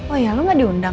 oh iya lu ga diundang